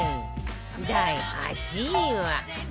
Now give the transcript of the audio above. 第８位は